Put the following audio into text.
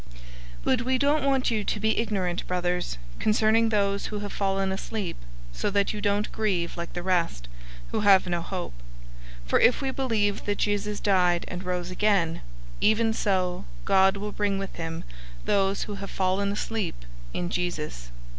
004:013 But we don't want you to be ignorant, brothers, concerning those who have fallen asleep, so that you don't grieve like the rest, who have no hope. 004:014 For if we believe that Jesus died and rose again, even so God will bring with him those who have fallen asleep in Jesus.